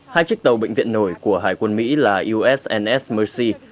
hai chiếc tàu bệnh viện nổi của hải quân mỹ là các tàu bệnh viện nổi của hải quân mỹ